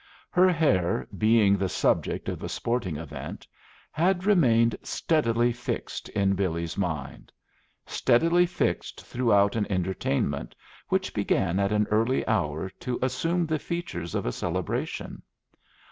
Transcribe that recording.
Her hair, being the subject of a sporting event, had remained steadily fixed in Billy's mind, steadily fixed throughout an entertainment which began at an early hour to assume the features of a celebration.